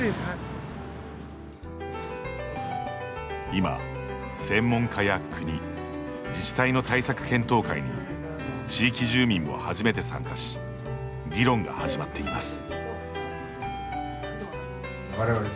今、専門家や国、自治体の対策検討会に地域住民も初めて参加し議論が始まっています。